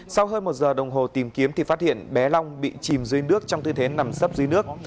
sau hơn một giờ đồng hồ tìm kiếm thì phát hiện bé long bị chìm dưới nước trong tư thế nằm sấp dưới nước